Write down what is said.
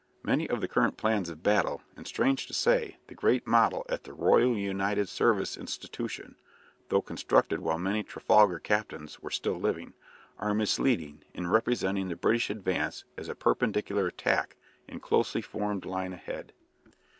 Many of the current plans of the battle, and, strange to say, the great model at the Royal United Service Institution (though constructed while many Trafalgar captains were still living), are misleading in representing the British advance as a perpendicular attack in closely formed line ahead.